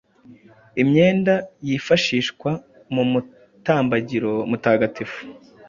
Imyenda yifashishwa mu mutambagiro mutagatifu,